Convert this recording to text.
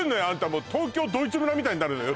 もう東京ドイツ村みたいになるのよ